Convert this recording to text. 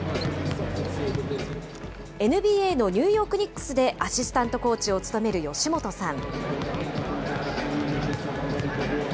ＮＢＡのニューヨーク・ニックスでアシスタントコーチを務める吉本さん。